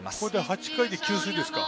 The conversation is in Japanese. ８回で給水ですか。